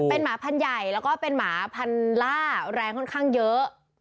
เป็นหมาพันใหญ่ม้าพันล่าแรงค่อนข้างเยอะ